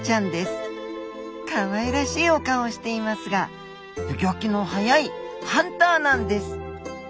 かわいらしいお顔をしていますが動きの速いハンターなんです。